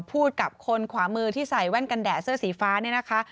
พูดกับคนขวามือที่ใส่แว่นกันแดดเสื้อสีฟ้าเนี่ยนะคะ